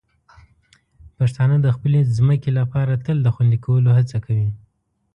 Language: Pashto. پښتانه د خپلې ځمکې لپاره تل د خوندي کولو هڅه کوي.